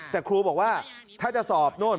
แต่ครูบอกว่าถ้าจะสอบโน่น